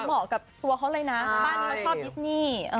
เหมาะกับตัวเขาเลยนะบ้านนี้เขาชอบดิสนี่